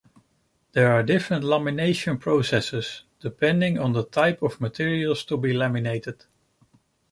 There are different lamination processes, depending on the type of materials to be laminated.